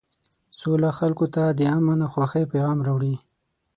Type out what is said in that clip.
سوله خلکو ته د امن او خوښۍ پیغام راوړي.